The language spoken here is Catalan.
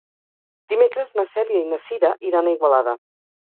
Dimecres na Cèlia i na Cira iran a Igualada.